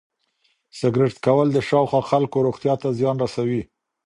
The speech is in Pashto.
سګرټ څکول د شاوخوا خلکو روغتیا ته زیان رسوي.